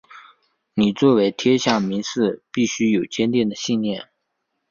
你作为天下名士必须有坚定的信念！